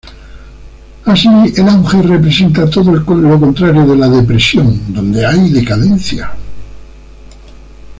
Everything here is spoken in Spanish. Así, el auge representa todo lo contrario de la depresión donde hay decadencia.